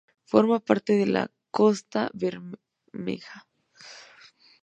Forma parte de la Costa Bermeja.